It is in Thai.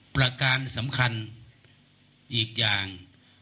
ประการสำคัญอีกอย่าง